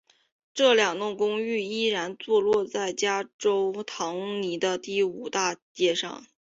这两栋公寓依然坐落在加州唐尼的第五大街上。